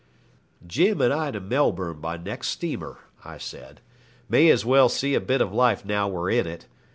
'Jim and I to Melbourne by next steamer,' I said. 'May as well see a bit of life now we're in it.